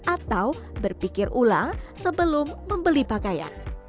atau berpikir ulang sebelum membeli pakaian